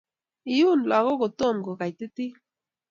Iun lagok kotomobkukaititit